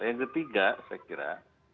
yang ketiga saya kira